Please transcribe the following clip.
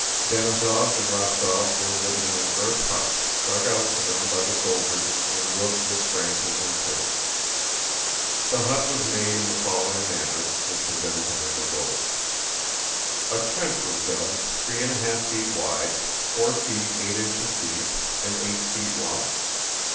Denísov and Rostóv were living in an earth hut, dug out for them by the soldiers and roofed with branches and turf. The hut was made in the following manner, which had then come into vogue. A trench was dug three and a half feet wide, four feet eight inches deep, and eight feet long.